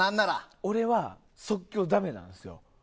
俺は即興ダメなんですよ。